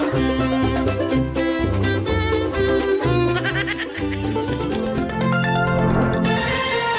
โปรดติดตามตอนต่อไป